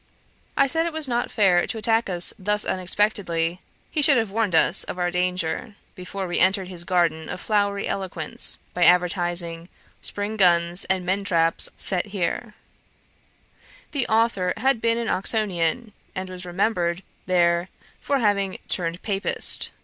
I said it was not fair to attack us thus unexpectedly; he should have warned us of our danger, before we entered his garden of flowery eloquence, by advertising, 'Spring guns and men traps set here.' The authour had been an Oxonian, and was remembered there for having 'turned Papist.'